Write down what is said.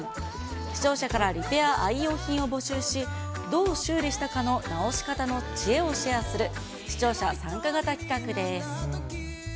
視聴者からリペア愛用品を募集し、どう修理したかの直し方の知恵をシェアする、視聴者参加型企画です。